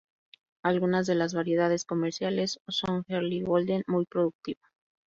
Algunas de las variedades comerciales son: Early Golden, muy productiva.